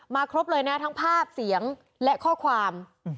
ครบเลยนะทั้งภาพเสียงและข้อความ